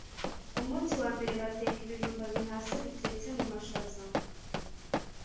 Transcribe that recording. Umunsi wa mbere bateka ibijumba bihase bitetse mu mashaza.